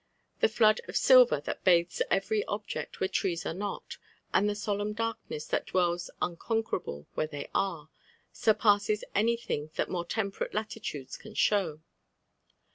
The flood of silver that bathes every object where trees are not, and the solemn darkness that dwells unconquerable where they are, surpasses anything that more temperate latitudes can fiihow.